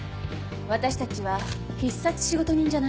私たちは必殺仕事人じゃないのよ？